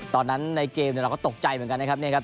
ในเกมเราก็ตกใจเหมือนกันนะครับ